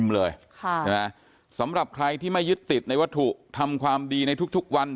การที่จะนำวัตถุมคลทที่เคารพของพุทธศาสนิกชนมาทำในลักษณะแบบนี้